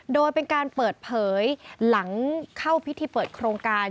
โดยเป็นการเปิดเผยหลังเข้าพิธีเปิดโครงการ